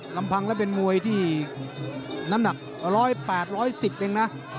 ลำพังแล้วเป็นมวยที่น้ำหนัก๑๐๘๑๐เองนะ